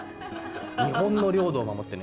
日本の領土を守ってね